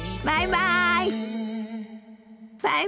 バイバイ。